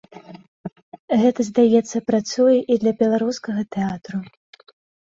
Гэта, здаецца, працуе і для беларускага тэатру.